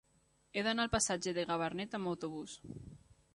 He d'anar al passatge de Gabarnet amb autobús.